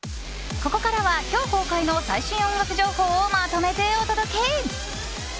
ここからは、今日公開の最新音楽情報をまとめてお届け。